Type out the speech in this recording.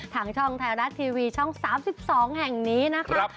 ทางช่องไทยรัฐทีวีช่อง๓๒แห่งนี้นะคะ